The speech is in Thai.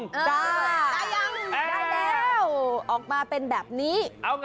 ได้เด้อออกมาเป็นแบบนี้